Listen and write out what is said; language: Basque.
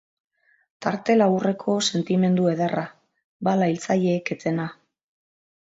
Tarte laburreko sentimendu ederra, bala hiltzaileek etena.